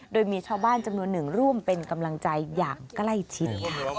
โดยมีชาวบ้านจำนวนหนึ่งร่วมเป็นกำลังใจอย่างใกล้ชิดค่ะ